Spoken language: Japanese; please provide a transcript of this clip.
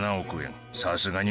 さすがに。